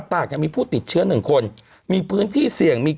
ทุกประเทศเนี้ยมีผู้ติดเชื้อน่ะทะลุพันไปเรียบร้อยแล้ว